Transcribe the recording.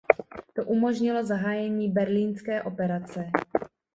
To umožnilo zahájení Berlínské operace.